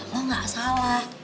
lo nggak salah